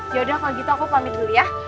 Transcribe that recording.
yaudah kalau gitu aku pamit dulu ya